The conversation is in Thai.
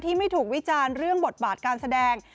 ไม่ถูกวิจารณ์เรื่องบทบาทการแสดง